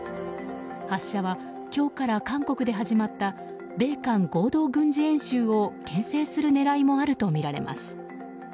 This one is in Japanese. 発射は今日から韓国で始まった米韓合同軍事演習を牽制する狙いもあるとみられます。